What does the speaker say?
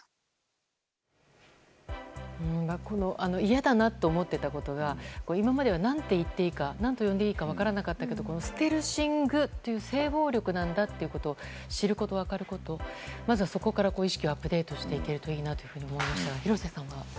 嫌だなと思っていたことが今までは何て言っていいか何て呼んでいいか分からなかったけどステルシングという性暴力なんだということを知ること、分かることまずはそこから意識をアップデートしていけるといいなと思いましたが廣瀬さんは？